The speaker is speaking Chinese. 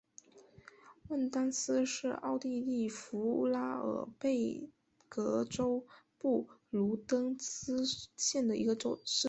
万丹斯是奥地利福拉尔贝格州布卢登茨县的一个市镇。